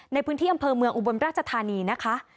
ในพื้นที่อำเภอเมืองอุบลราชธานีนะคะ